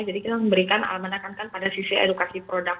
jadi kita memberikan alamanakan kan pada sisi edukasi produk